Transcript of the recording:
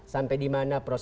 sampai di mana proses